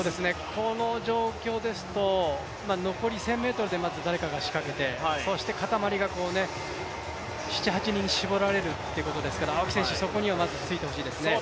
この状況ですと、残り１０００ｍでまず誰かが仕掛けてそして固まりが７８人に絞られるということですから青木選手、そこにはまずついてほしいですね。